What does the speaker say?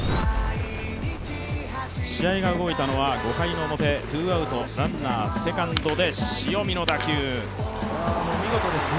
試合が動いたのは５回の表、ツーアウトランナー二塁で見事ですね。